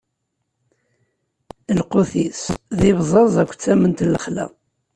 Lqut-is, d ibẓaẓ akked tament n lexla.